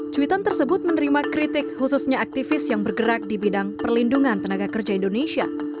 cuitan tersebut menerima kritik khususnya aktivis yang bergerak di bidang perlindungan tenaga kerja indonesia